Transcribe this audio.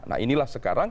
nah inilah sekarang